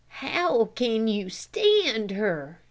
"How can you stand her?"